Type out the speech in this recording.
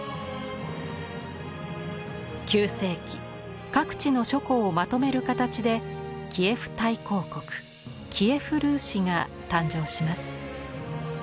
９世紀各地の諸公をまとめる形でキエフ大公国キエフ・ルーシが誕生します。